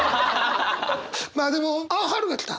まあでもあっ春が来た！